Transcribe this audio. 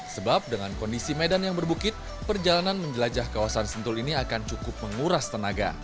sebab dengan kondisi medan yang berbukit perjalanan menjelajah kawasan sentul ini akan cukup menguras tenaga